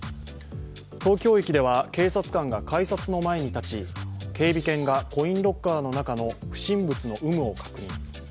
東京駅では警察官が改札の前に立ち警備犬がコインロッカーの中の不審物の有無を確認。